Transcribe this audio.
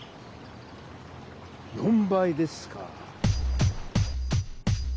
４倍ですか。